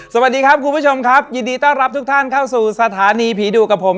สวัสดีครับคุณผู้ชมครับยินดีต้อนรับทุกท่านเข้าสู่สถานีผีดุกับผม